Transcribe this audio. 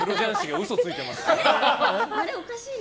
あれ、おかしいな。